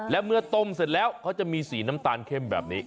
และเมื่อต้มเสร็จแล้วเขาจะมีสีน้ำตาลเข้มแบบนี้